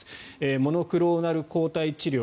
モノクローナル抗体治療